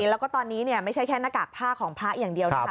แล้วก็ตอนนี้เนี่ยไม่ใช่แค่หน้ากากผ้าของพระอย่างเดียวนะคะ